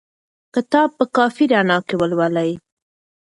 کتاب په کافي رڼا کې ولولئ.